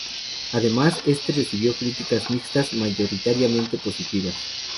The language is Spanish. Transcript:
Además, este recibió críticas mixtas, mayoritariamente positivas.